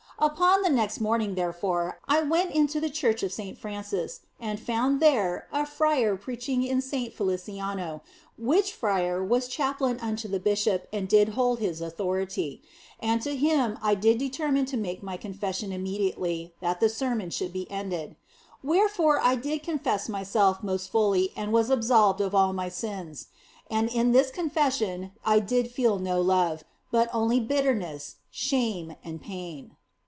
Upon the next morn ing, therefore, I went into the church of Saint Francis and found there a friar preaching in Saint Feliciano, which friar was chaplain unto the bishop and did hold his autho rity ; and to him I did determine to make my confession immediately that the sermon should be ended. Where fore I did confess myself most fully and was absolved of all my sins. And in this confession I did feel no love, but only bitterness, shame, and pain.